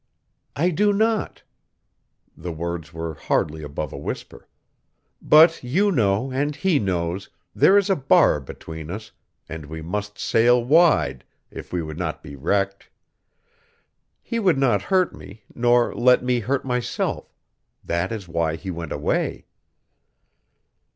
"I do not." The words were hardly above a whisper. "But you know, and he knows, there is a bar between us, and we must sail wide, if we would not be wrecked. He would not hurt me, nor let me hurt myself. That is why he went away!"